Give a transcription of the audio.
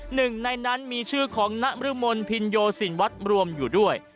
หนึ่งในนั้นมีชื่อของนับริมนภรรยภินโยสินวกรวมอยู่ด้วย